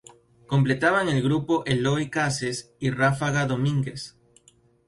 Completaban el grupo Eloy Cases y Rafa Domínguez.